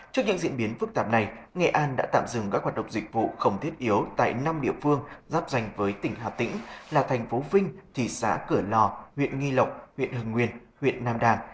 trước những diễn biến phức tạp này nghệ an đã tạm dừng các hoạt động dịch vụ không thiết yếu tại năm địa phương giáp danh với tỉnh hà tĩnh là thành phố vinh thị xã cửa lò huyện nghi lộc huyện hưng nguyên huyện nam đàn